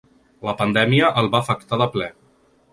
La pandèmia el va afectar de ple.